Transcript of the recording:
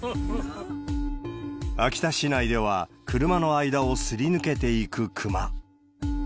秋田市内では、車の間をすり抜けていくクマ。